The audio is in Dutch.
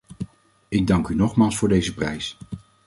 Ik dank u nogmaals voor deze prijs.